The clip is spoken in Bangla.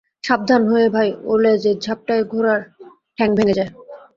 সাবধান হয়ে ভাই, ও-ল্যাজের ঝাপটায় ঘোড়ার ঠ্যাং ভেঙে যায়।